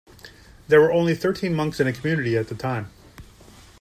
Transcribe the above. There were only thirteen monks in the community at the time.